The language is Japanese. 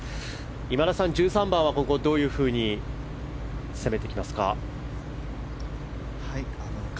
今田さん、１３番はどういうふうに攻めていきますか？